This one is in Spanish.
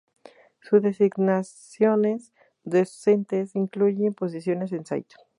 Sus designaciones docentes incluyen posiciones en St.